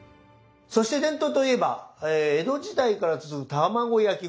そして伝統といえば江戸時代から続く卵焼き。